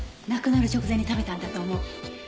亡くなる直前に食べたんだと思う。